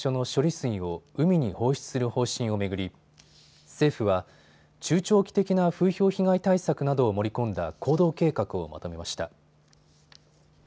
水を海に放出する方針を巡り政府は中長期的な風評被害対策などを盛り込んだ行動計画をまとめました。